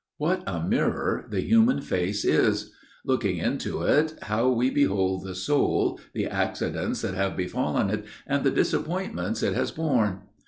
What a mirror the human face is! Looking into it, how we behold the soul, the accidents that have befallen it and the disappointments it has borne!